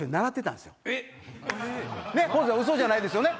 方正さんウソじゃないですよね？